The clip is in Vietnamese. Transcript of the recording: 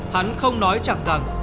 hắn không nói chẳng rằng